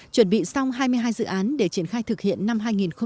chuẩn bị xong hai mươi hai dự án để triển khai thực hiện năm hai nghìn một mươi chín